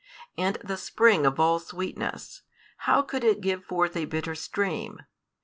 And the spring of all sweetness, how could it give forth a bitter stream?